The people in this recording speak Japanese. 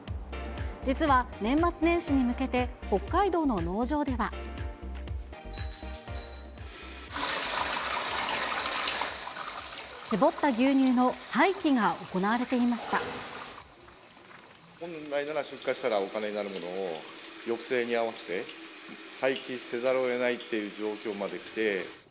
実は年末年始に向けて、北海道の農場では。搾った牛乳の廃棄が行われていま本来なら、出荷したらお金になるものを、抑制に合わせて廃棄せざるをえないという状況まで来て。